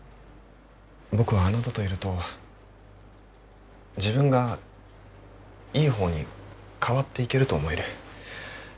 僕はあなたといると自分がいい方に変わっていけると思える。